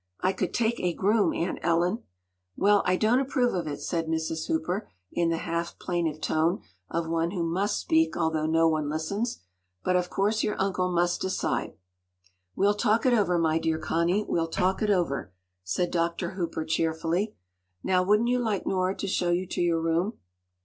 “I could take a groom, Aunt Ellen!” “Well, I don’t approve of it,” said Mrs. Hooper, in the half plaintive tone of one who must speak although no one listens. “But of course your uncle must decide.” “We’ll talk it over, my dear Connie, we’ll talk it over,” said Dr. Hooper cheerfully. “Now wouldn’t you like Nora to show you to your room?